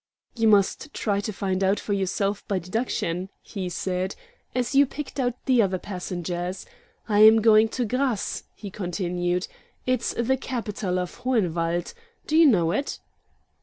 "You must try to find out for yourself by deduction," he said, "as you picked out the other passengers. I am going to Grasse," he continued. "It's the capital of Hohenwald. Do you know it?"